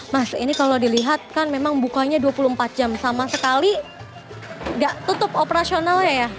mas ini kalau dilihat kan memang bukanya dua puluh empat jam sama sekali tidak tutup operasionalnya ya